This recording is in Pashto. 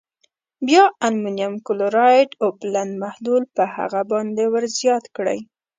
بیا المونیم کلورایډ اوبلن محلول په هغه باندې ور زیات کړئ.